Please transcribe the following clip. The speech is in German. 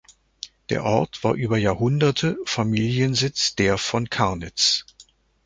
Der Ort war über Jahrhunderte Familiensitz der von Karnitz.